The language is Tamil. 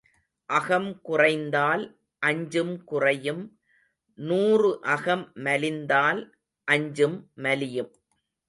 அகம் குறைந்தால் அஞ்சும் குறையும் நூறு அகம் மலிந்தால் அஞ்சும் மலியும்.